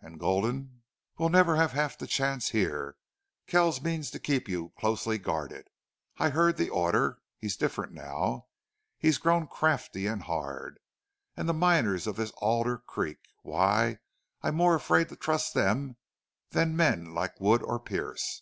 And Gulden " "We'll never have half the chance here. Kells means to keep you closely guarded. I heard the order. He's different now. He's grown crafty and hard. And the miners of this Alder Creek! Why, I'm more afraid to trust them than men like Wood or Pearce.